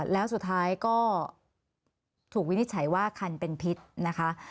แล้วสุดท้ายก็ถูกวินิจฉัยว่าคันเป็นพิษนะคะ